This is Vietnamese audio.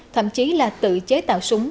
thậm chí là tự chế tạo súng